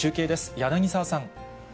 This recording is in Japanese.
柳沢さん。